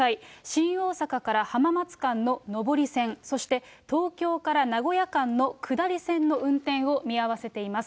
新大阪から浜松間の上り線、そして東京から名古屋間の下り線の運転を見合わせています。